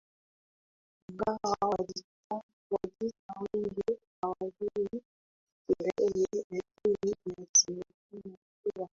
Ingawa Wajita wengi hawajui Kikerewe lakini inasemekana kuwa